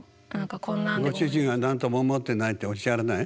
ご主人は何とも思ってないっておっしゃらない？